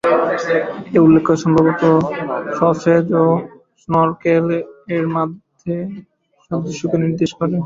এই উল্লেখ সম্ভবত সসেজ ও স্নরকেল এর মধ্যে সাদৃশ্যকে নির্দেশ করে।